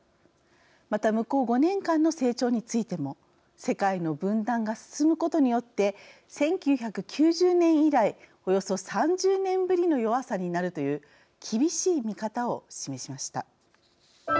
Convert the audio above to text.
また向こう５年間の成長についても世界の分断が進むことによって１９９０年以来およそ３０年ぶりの弱さになるという厳しい見方を示しました。